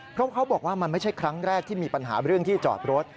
เพราะเขาบอกว่ามันไม่ใช่ครั้งแรกที่มีปัญหาเรื่องที่จอดรถ